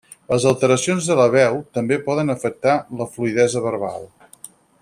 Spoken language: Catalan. Les alteracions de la veu també poden afectar la fluïdesa verbal.